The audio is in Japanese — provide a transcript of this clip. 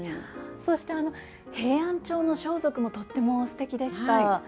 そしてあの平安調の装束もとってもすてきでした。